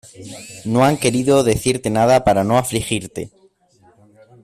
No han querido decirte nada para no afligirte.